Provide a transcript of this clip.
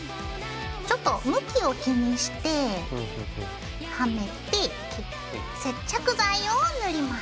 ちょっと向きを気にしてはめて接着剤を塗ります。